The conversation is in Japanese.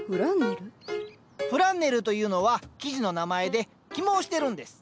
フランネルというのは生地の名前で起毛してるんです。